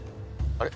・あれ？